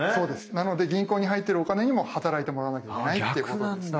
なので銀行に入ってるお金にも働いてもらわなきゃいけないってことなんですね。